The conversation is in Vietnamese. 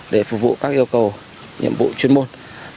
để phục vụ các yêu cầu nhiệm vụ chuyên môn